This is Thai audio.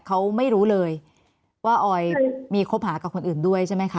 เขาไม่รู้เลยว่าออยมีคบหากับคนอื่นด้วยใช่ไหมคะ